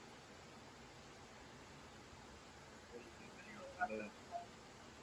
ঈশ্বরের চিরন্তন আশীর্বাদ আপনার উপর বর্ষিত হোক।